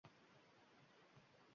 Har qaysi mavzuda sayt yaratmang